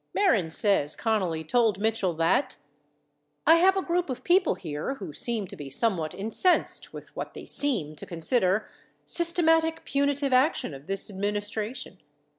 97 Mehren says Connally told Mitchell that: I have a group of people here who seem to be somewhat incensed with what they seem to consider systematic punitive action of this administration